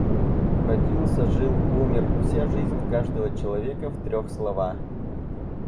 Родился, жил, умер. Вся жизнь каждого человека в трёх слова.